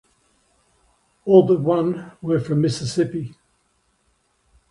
All but one were from Mississippi.